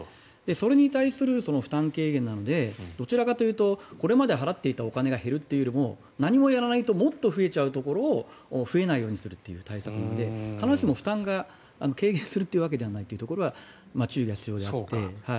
それに対する負担軽減なのでどちらかというとこれまで払っていたお金が減るというよりも何もやらないともっと増えちゃうところを増えないようにするという対策なので必ずしも負担が軽減するというところではないというのが注意が必要であって。